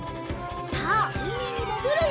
さあうみにもぐるよ！